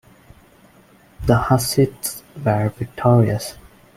The Hussites were victorious.